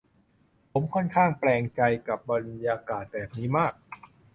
ผมค่อนข้างแปลงใจกับบรรยากาศแบบนี้มาก